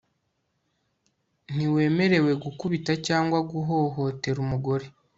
ntiwemerewe gukubita cyangwa guhohotera umugore